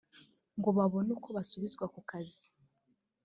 ngo babone uko basubirazwa ku kazi